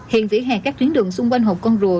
hiện vỉa hè các tuyến đường xung quanh hồ công rùa